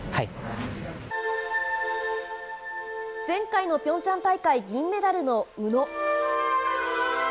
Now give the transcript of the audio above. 前回のピョンチャン大会銀メダルの宇野。